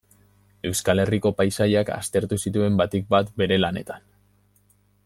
Euskal Herriko paisaiak aztertu zituen batik bat bere lanetan.